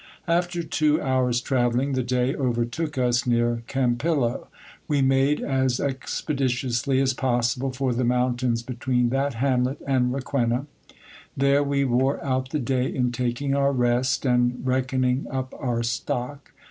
After two hours' travelling, the day overtook us near Campillo. We made as expeditiously as possible for the mountains between that hamlet and Requena. There we wore out the day in taking our rest and reckoning up our stock